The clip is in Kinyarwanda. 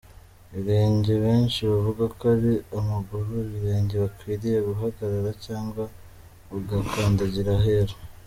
Ibirenge benshi bavuga ko ari amaguru, ibirenge bikwiriye guhagarara cyangwa ugakandagira ahera.